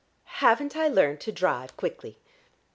Haven't I learned to drive quickly?"